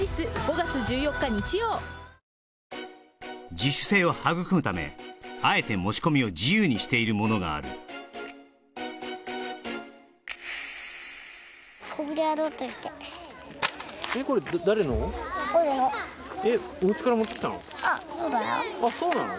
自主性を育むためあえて持ち込みを自由にしているものがあるここでやろうとしてあっそうなの？